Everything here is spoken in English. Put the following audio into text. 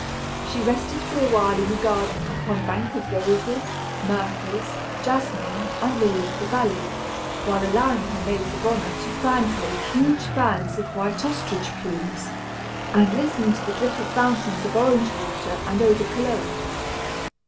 She rested for a while in the garden upon a bank of roses, myrtles, jasmine, and lilies of the valley, while allowing her maids of honor to fan her with huge fans of white ostrich plumes, and listening to the drip of fountains of orange flower water, and eau de cologne.